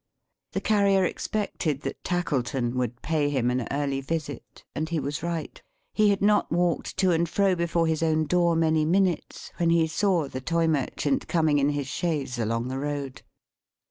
The Carrier expected that Tackleton would pay him an early visit; and he was right. He had not walked to and fro before his own door, many minutes, when he saw the Toy Merchant coming in his chaise along the road.